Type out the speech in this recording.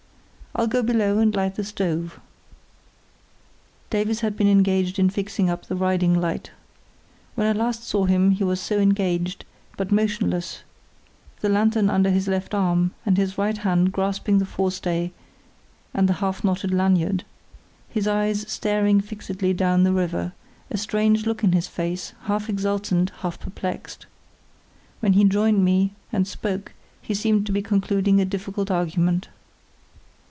"I'll go below and light the stove." Davies had been engaged in fixing up the riding light. When I last saw him he was still so engaged, but motionless, the lantern under his left arm and his right hand grasping the forestay and the half knotted lanyard; his eyes staring fixedly down the river, a strange look in his face, half exultant, half perplexed. When he joined me and spoke he seemed to be concluding a difficult argument.